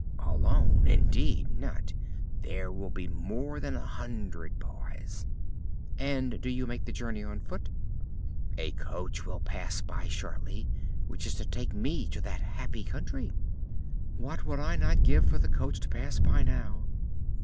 "Alone? Indeed not, there will be more than a hundred boys." "And do you make the journey on foot?" "A coach will pass by shortly which is to take me to that happy country." "What would I not give for the coach to pass by now!"